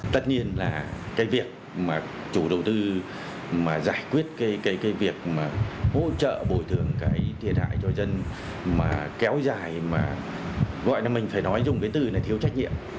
tất nhiên là cái việc mà chủ đầu tư mà giải quyết cái việc mà hỗ trợ bồi thường cái thiệt hại cho dân mà kéo dài mà gọi là mình phải nói dùng cái từ này thiếu trách nhiệm